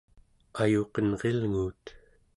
ayuqenrilnguut